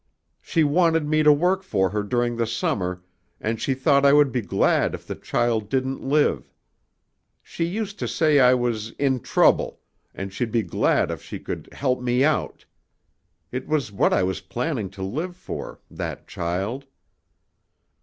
She wanted me to work for her during the summer and she thought I would be glad if the child didn't live. She used to say I was 'in trouble' and she'd be glad if she could 'help me out.'... It was what I was planning to live for ... that child."